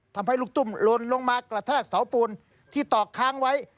ทำให้ลูกตุ้มลนลงมากระแทกเสาปูนที่ตอกค้างไว้